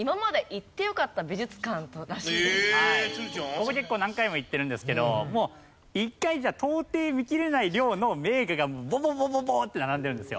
ここ結構何回も行ってるんですけどもう１回じゃ到底見きれない量の名画がボンボンボンボンボンって並んでるんですよ。